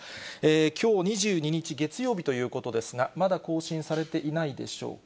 きょう２２日月曜日ということですが、まだ更新されていないでしょうか。